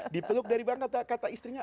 dipeluk dari bang kata istrinya